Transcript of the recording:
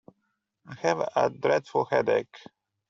I have a dreadful headache.